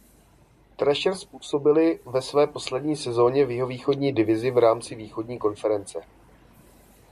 Thrashers působily ve své poslední sezóně v Jihovýchodní divizi v rámci Východní konference.